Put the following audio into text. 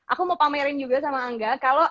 aku mau pamerin juga sama angga